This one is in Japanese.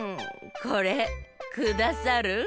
これくださる？